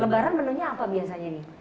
lebaran menunya apa biasanya nih